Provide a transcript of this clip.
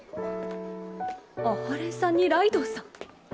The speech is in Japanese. あっ阿波連さんにライドウさん。